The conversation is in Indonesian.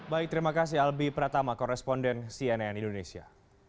baik terima kasih albi pratama koresponden cnn indonesia